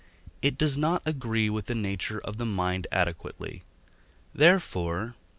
it does not agree with the nature of the mind adequately; therefore (I.